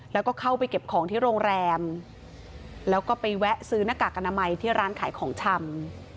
แล้วก็เข้าไปเก็บของที่โรงแรมแล้วก็ไปแวะซื้อหน้ากากอนามัยที่ร้านขายของชำ